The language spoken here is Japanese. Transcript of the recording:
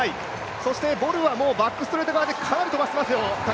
そしてボルはもうバックストレート側でかなり飛ばしてますよ。